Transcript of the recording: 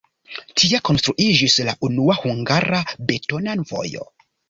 Tie konstruiĝis la unua hungara betona vojo.